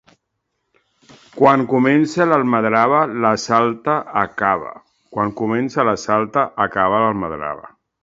Quan comença l'almadrava, la salta acaba; quan comença la salta, acaba l'almadrava.